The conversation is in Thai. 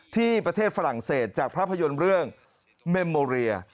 ที่ประเทศฝรั่งเศสจากภาพยนตร์เรื่องเมมโมเรีย